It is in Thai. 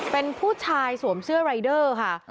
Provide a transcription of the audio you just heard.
เป็นผู้ชายสวมเสื้อรายเดอร์ค่ะ